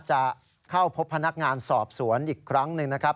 จะเข้าพบพนักงานสอบสวนอีกครั้งหนึ่งนะครับ